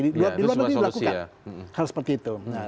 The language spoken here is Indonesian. di luar negeri dilakukan hal seperti itu